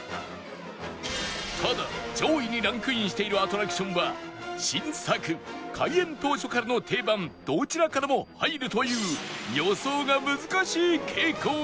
ただ上位にランクインしているアトラクションは新作開園当初からの定番どちらからも入るという予想が難しい傾向に